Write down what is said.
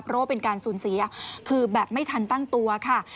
เพราะว่าเป็นการสูญเสียคือแบบไม่ทันตั้งตัวค่ะ